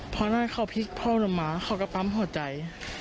พอหน้าเขาพลิกพ่อหนูมาเขาก็ปั๊มห่อใจ